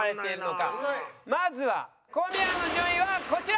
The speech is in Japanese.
まずは小宮の順位はこちら。